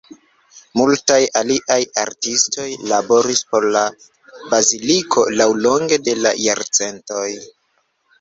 Multaj aliaj artistoj laboris por la baziliko laŭlonge de la jarcentoj.